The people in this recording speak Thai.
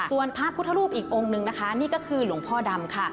ส่วนพระพุทธรูปอีกองค์นึงนะคะนี่ก็คือหลวงพ่อดำค่ะ